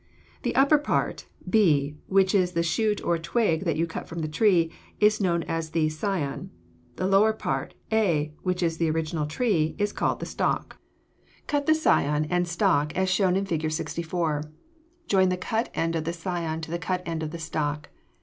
The upper part, b, which is the shoot or twig that you cut from the tree, is known as the scion; the lower part, a, which is the original tree, is called the stock. Cut the scion and stock as shown in Fig. 64. Join the cut end of the scion to the cut end of the stock.